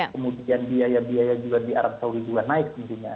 kemudian biaya biaya juga di arab saudi juga naik tentunya